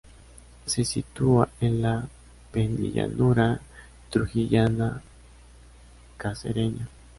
Se sitúa en la penillanura trujillana cacereña.